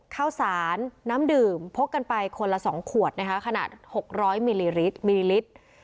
ข้าวสารน้ำดื่มพกกันไปคนละ๒ขวดนะคะขนาด๖๐๐มิลลิลิตร